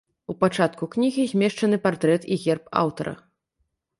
У пачатку кнігі змешчаны партрэт і герб аўтара.